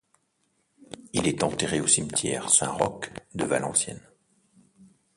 Il est enterré au cimetière Saint-Roch de Valenciennes.